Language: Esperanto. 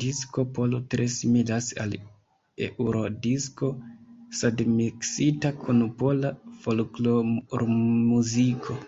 Disko polo tre similas al Eurodisko sed miksita kun pola folklormuziko.